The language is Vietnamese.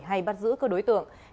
hay bắt giữ cơ đối tượng